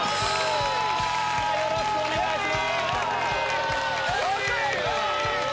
よろしくお願いします。